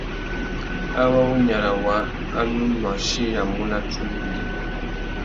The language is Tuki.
Awô wu nyara waā a nù mù achiyamú nà tsumba indjê.